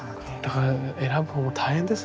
だから選ぶ方も大変ですね。